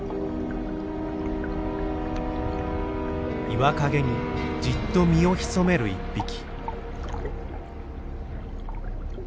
岩陰にじっと身を潜める１匹。